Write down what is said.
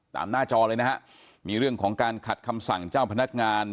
หน้าจอเลยนะฮะมีเรื่องของการขัดคำสั่งเจ้าพนักงาน